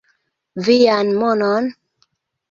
Vian monon?